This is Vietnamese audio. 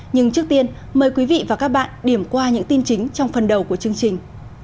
nhưng trước tiên mời quý vị và các bạn điểm qua những tin chính trong phần đầu của chương trình